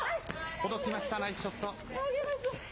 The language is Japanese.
届きました、ナイスショット。